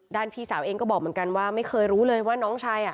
พี่สาวเองก็บอกเหมือนกันว่าไม่เคยรู้เลยว่าน้องชาย